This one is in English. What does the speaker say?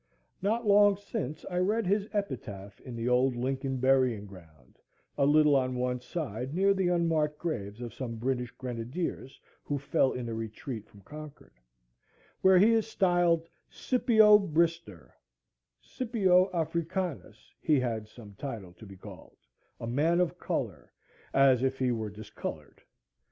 Not long since I read his epitaph in the old Lincoln burying ground, a little on one side, near the unmarked graves of some British grenadiers who fell in the retreat from Concord,—where he is styled "Sippio Brister,"—Scipio Africanus he had some title to be called,—"a man of color," as if he were discolored.